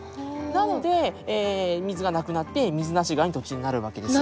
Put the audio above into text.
なので水がなくなって水無川に途中でなるわけです。